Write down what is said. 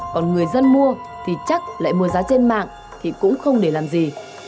còn người dân mua thì chắc lại mua giá trên mạng thì cũng không để làm gì